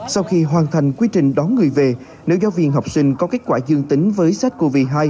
sau khi hoàn thành quy trình đón người về nữ giáo viên học sinh có kết quả dương tính với sars cov hai